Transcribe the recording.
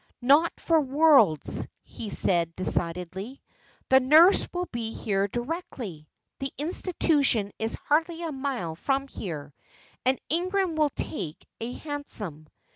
"Not for worlds," he said, decidedly. "The nurse will be here directly. The Institution is hardly a mile from here, and Ingram will take a hansom."